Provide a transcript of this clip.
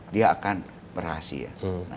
dia akan berhasil